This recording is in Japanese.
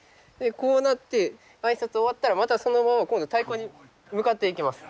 こうなって挨拶終わったらまたそのまま今度太鼓に向かっていきます。